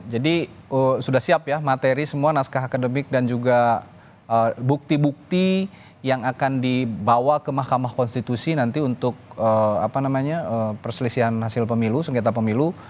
jadi sudah siap ya materi semua naskah akademik dan juga bukti bukti yang akan dibawa ke mahkamah konstitusi nanti untuk perselisihan hasil pemilu sengketa pemilu